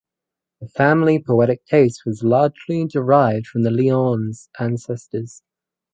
The family poetic taste was largely derived from the Lyons ancestors.